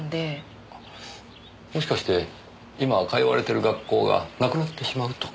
あもしかして今通われてる学校がなくなってしまうとか？